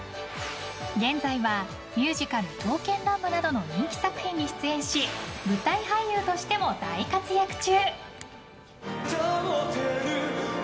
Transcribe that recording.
現在はミュージカル「刀剣乱舞」などの人気作品に出演し舞台俳優としても大活躍中！